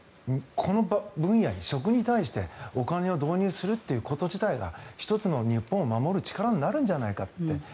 この分野、食に対してお金を導入するということ自体が１つの日本を守る力になるんじゃないかと。